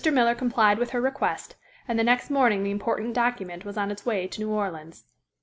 Miller complied with her request and the next morning the important document was on its way to New Orleans.